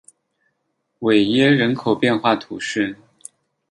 韦耶人口变化图示